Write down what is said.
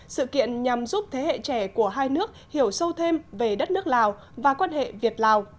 sự kiện nhằm giúp thế hệ trẻ của hai nước hiểu sâu thêm về đất nước lào và quan hệ việt lào